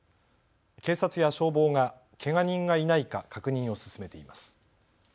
警察や消防がけが人がいないか確認を進めています。